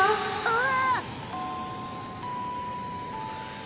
ああ。